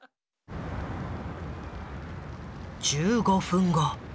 １５分後。